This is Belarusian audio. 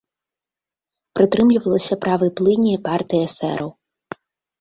Прытрымлівалася правай плыні партыі эсэраў.